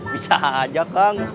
bisa aja kang